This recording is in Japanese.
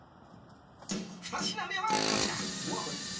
２品目は、こちら。